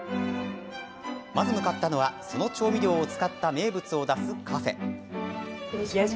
まず、向かったのはその調味料を使った名物を出すカフェ。